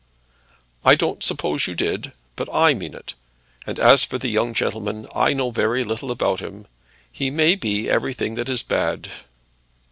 "I don't suppose you did, but I mean it. As for the young gentleman, I know very little about him. He may be everything that is bad."